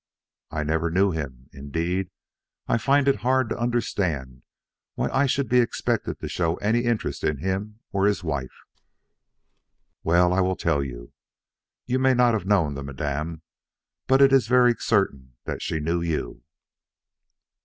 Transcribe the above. "I never knew him. Indeed, I find it hard to understand why I should be expected to show any interest in him or his wife." "Well, I will tell you. You may not have known the Madame; but it is very certain that she knew you."